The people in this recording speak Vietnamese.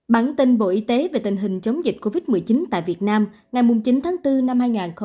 bản tin bộ y tế về tình hình chống dịch covid một mươi chín tại việt nam ngày chín tháng bốn năm hai nghìn hai mươi